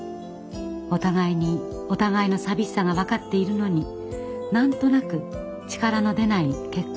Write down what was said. お互いにお互いの寂しさが分かっているのに何となく力の出ない結婚